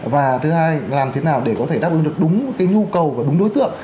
và thứ hai làm thế nào để có thể đáp ứng được đúng nhu cầu và đúng đối tượng